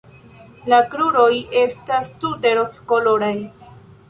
La kruroj estas tute rozkoloraj.